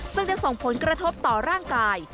ซึ่งจะส่งผลกระทบต่อร่างกาย